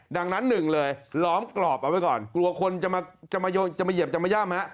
ดังนั้นหนึ่งเลยล้อมกรอบเอาไว้ก่อนกลัวคนจะมาเหยียบจะมาย่ำ